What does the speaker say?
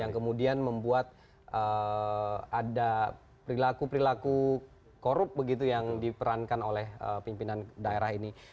yang kemudian membuat ada perilaku perilaku korup begitu yang diperankan oleh pimpinan daerah ini